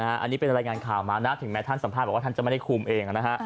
อันนี้เป็นรายงานข่าวมานะถึงแม้ท่านสัมภาษณ์บอกว่าท่านจะไม่ได้คุมเองนะฮะ